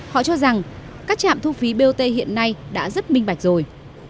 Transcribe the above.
họ cho rằng các trạm thu phí bot hiện nay đã rất minh bạch rồi